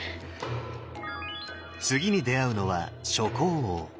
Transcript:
次に出会うのは初江王。